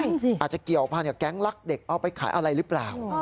จริงอาจจะเกี่ยวพันกับแก๊งลักเด็กเอาไปขายอะไรหรือเปล่า